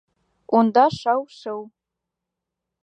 Унда шау-шыу.